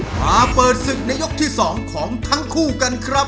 มาเปิดศึกในยกที่๒ของทั้งคู่กันครับ